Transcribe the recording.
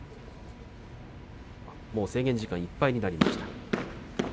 もう、制限時間がいっぱいになりました。